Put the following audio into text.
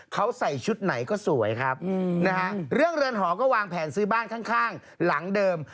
เขาใส่ชุดไหนก็สวยครับนะฮะเรื่องเรือนหอก็วางแผนซื้อบ้านข้างหลังเดิม